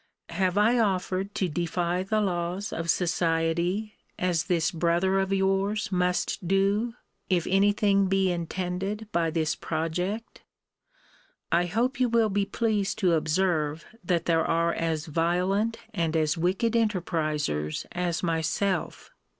Have I offered to defy the laws of society, as this brother of yours must do, if any thing be intended by this project? I hope you will be pleased to observe that there are as violent and as wicked enterprisers as myself.